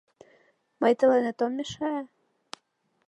Мый тыланет ом мешае?